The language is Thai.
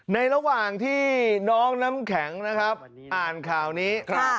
ระหว่างที่น้องน้ำแข็งนะครับอ่านข่าวนี้